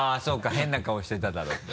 変な顔してただろうって？